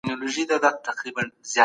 کتابتون او میز څېړنه توپیر نه لري.